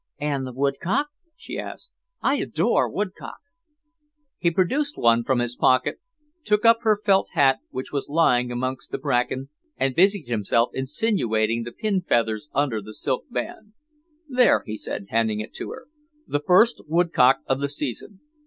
"And the woodcock?" she asked. "I adore woodcock." He produced one from his pocket, took up her felt hat, which was lying amongst the bracken, and busied himself insinuating the pin feathers under the silk band. "There," he said, handing it to her, "the first woodcock of the season.